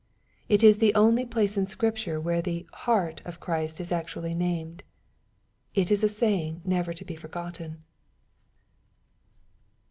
It is the only place in Scripture where the " heart " of Christ is actually named. It is a saying never to be forgotten.